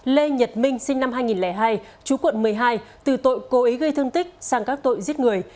lê nhật minh sinh năm hai nghìn hai chú quận một mươi hai từ tội cố ý gây thương tích sang các tội giết người